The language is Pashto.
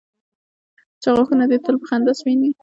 چې غاښونه دي تل په خندا سپین وي.